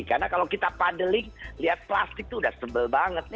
karena kalau kita padeling lihat plastik itu sudah sebel banget